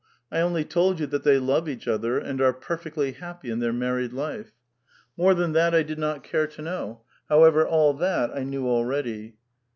I only told you that they love each other, and are perfectly happy in their married life." " More than that I did not care to know. However, all that I knew already."